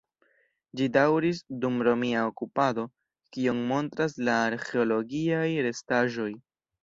Ĝi daŭris dum romia okupado, kion montras la arĥeologiaj restaĵoj.